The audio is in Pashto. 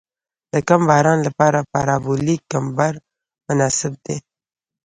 د کم باران لپاره پارابولیک کمبر مناسب دی